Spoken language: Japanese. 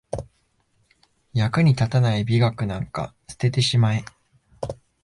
役に立たない美学なんか捨ててしまえ